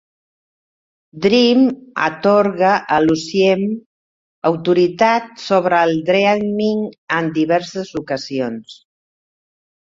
Dream atorga a Lucien autoritat sobre el Dreaming en diverses ocasions.